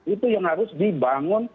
itu yang harus dibangun